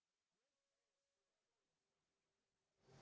ada adanya peng resources youtube